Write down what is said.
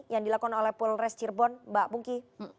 yang dilakukan oleh polres cirebon mbak pungki